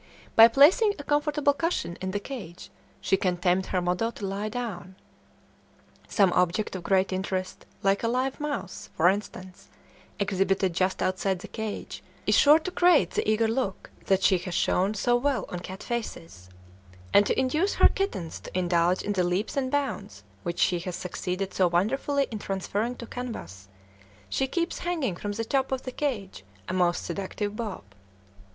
By placing a comfortable cushion in the cage she can tempt her model to lie down; some object of great interest, like a live mouse, for instance, exhibited just outside the cage is sure to create the eager look that she has shown so well on cat faces; and to induce her kittens to indulge in the leaps and bounds which she has succeeded so wonderfully in transferring to canvas, she keeps hanging from the top of the cage a most seductive "bob."